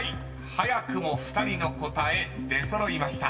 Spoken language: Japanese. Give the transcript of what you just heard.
早くも２人の答え出揃いました］